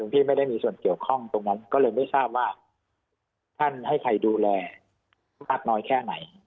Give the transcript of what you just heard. หลวงพี่ไม่ได้มีส่วนเกี่ยวข้องตรงนั้นไม่รู้ส็กภาพสิทธิ์ในการให้ใครดูแล